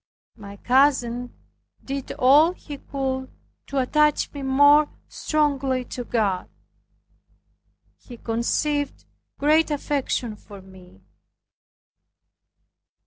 My cousin did all he could to attach me more strongly to God. He conceived great affection for me.